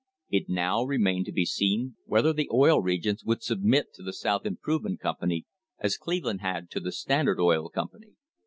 It now remained to be seen whether the Oil Regions would submit to the South Improvement Company as Cleveland had to the Standard Oil Company.